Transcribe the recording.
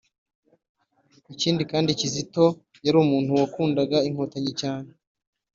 ikindi kandi Kizito yari umuntu wakundaga inkotanyi cyane